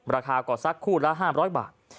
ราคาก็สักคู่ละ๕๐๐บาท